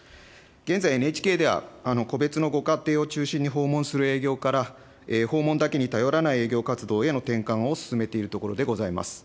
現在、ＮＨＫでは、戸別のご家庭を中心に訪問する営業から、訪問だけに頼らない営業活動への転換を進めているところでございます。